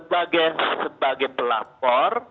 jadi sebagai pelapor